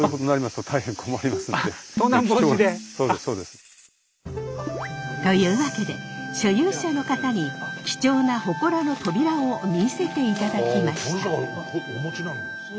というわけで所有者の方に貴重なほこらの扉を見せていただきました。